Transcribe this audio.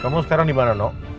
kamu sekarang di mana loh